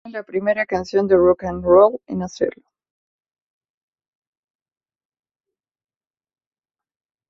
Era la primera canción de "rock and roll" en hacerlo.